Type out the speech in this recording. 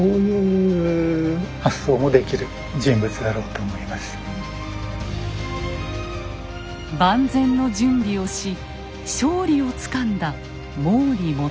となると万全の準備をし勝利をつかんだ毛利元就。